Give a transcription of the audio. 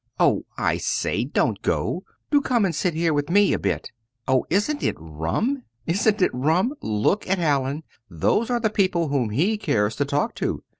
"Oh, I say! don't go. Do come and sit here with me a bit. Oh, isn't it rum! isn't it rum! Look at Hallin, those are the people whom he cares to talk to.